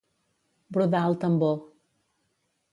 Brodar al tambor.